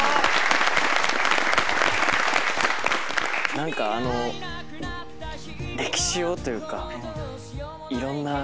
何かあの歴史をというかいろんな。